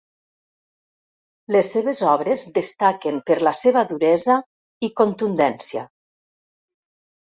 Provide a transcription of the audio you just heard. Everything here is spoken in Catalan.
Les seves obres destaquen per la seva duresa i contundència.